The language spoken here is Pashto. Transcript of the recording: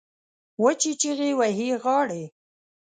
وچې چیغې وهي غاړې